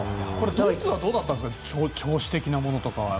ドイツはどうだったんですか調子的なものとかは。